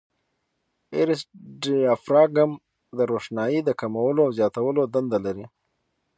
آیرس ډایفراګم د روښنایي د کمولو او زیاتولو دنده لري.